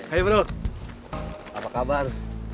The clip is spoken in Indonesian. hai bro apa kabar